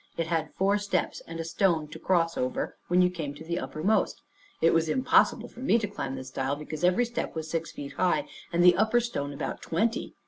It had four steps, and a stone to cross over when you come to the uppermost. It was impossible for me to climb this stile, because every step was six feet high, and the upper stone about twenty.